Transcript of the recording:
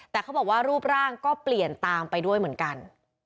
แต่เขาบอกว่ารูปร่างก็เปลี่ยนตามไปด้วยเหมือนกัน